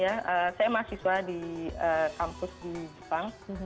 ya saya mahasiswa di kampus di jepang